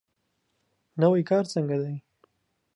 نوی کار څنګه دی؟